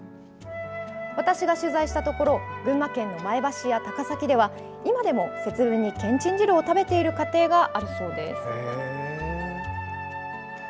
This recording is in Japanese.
私が取材したところ群馬県の前橋や高崎では今でも節分にけんちん汁を食べている家庭があるそうです。